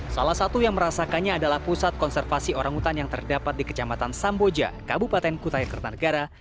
salah satu yang merasakannya adalah pusat konservasi orang hutan yang terdapat di kecamatan samboja kabupaten kutaya kertanegara